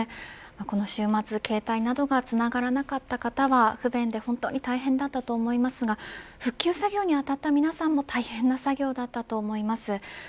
この週末、携帯などがつながらなかった方は不便で大変だったと思いますが復旧作業にあたった皆さんも大変な作業だったと思います。